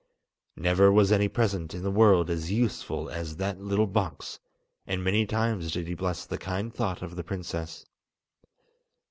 Never was any present in the world as useful as that little box, and many times did he bless the kind thought of the princess.